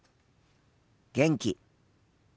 「元気」。